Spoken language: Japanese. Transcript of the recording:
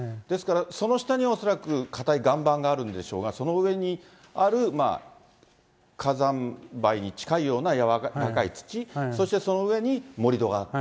ですから、その下には恐らく固い岩盤があるんでしょうが、その上にある火山灰に近いような軟らかい土、そしてその上に、盛り土があった。